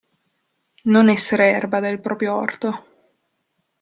Non essere erba del proprio orto.